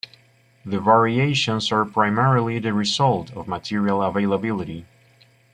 The variations are primarily the result of material availability.